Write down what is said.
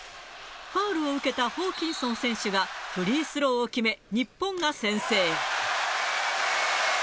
ファウルを受けたホーキンソン選手がフリースローを決め、日本が先制。